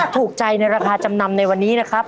ถูกใจในราคาจำนำในวันนี้นะครับ